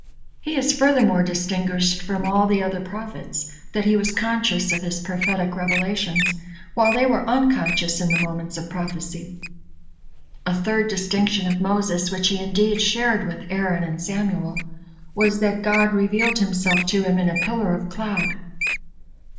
He is furthermore distinguished from all the other prophets, that he was conscious of his prophetic revelations, while they were unconscious in the moments of prophecy. A third distinction of Moses, which he indeed shared with Aaron and Samuel, was that God revealed Himself to him in a pillar of cloud.